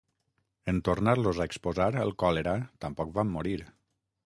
En tornar-los a exposar al còlera tampoc van morir.